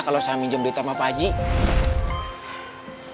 kalau saya minjem data sama pakcik